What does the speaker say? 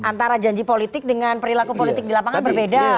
antara janji politik dengan perilaku politik di lapangan berbeda